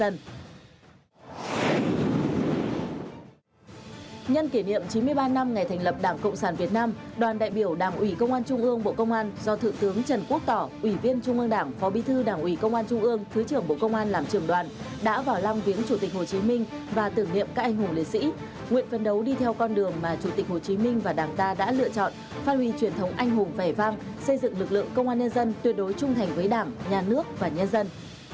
nhân kỷ niệm chín mươi ba năm ngày thành lập đảng cộng sản việt nam đoàn đại biểu đảng ủy công an trung ương bộ công an do thượng tướng trần quốc tỏ ủy viên trung ương đảng phó bí thư đảng ủy công an trung ương thứ trưởng bộ công an làm trưởng đoàn đã vào lăng viễn chủ tịch hồ chí minh và tưởng niệm các anh hùng lễ sĩ nguyện phấn đấu đi theo con đường mà chủ tịch hồ chí minh và đảng ta đã lựa chọn phát huy truyền thống anh hùng vẻ vang xây dựng lực lượng công an nhân dân tuyệt đối trung thành với đảng nhà nước và nhân dân